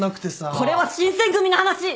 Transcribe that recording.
これは新選組の話！